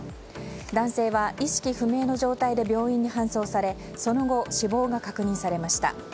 男性は意識不明の状態で病院に搬送されその後、死亡が確認されました。